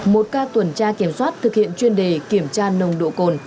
một ca tuần tra kiểm soát thực hiện chuyên đề kiểm tra nồng độ cồn